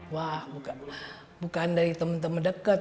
wah bukan dari teman teman dekat